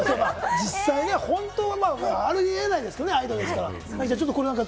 実際には有り得ないですけどね、アイドルですから。